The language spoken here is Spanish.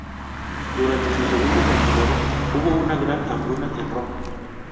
Durante su segundo consulado hubo una gran hambruna en Roma.